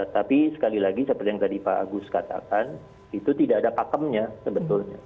tapi sekali lagi seperti yang tadi pak agus katakan itu tidak ada pakemnya sebetulnya